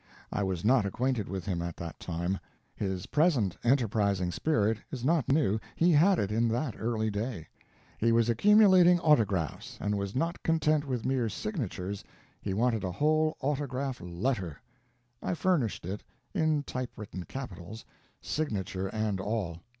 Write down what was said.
I was not acquainted with him at that time. His present enterprising spirit is not new he had it in that early day. He was accumulating autographs, and was not content with mere signatures, he wanted a whole autograph letter. I furnished it in type written capitals, _signature and all.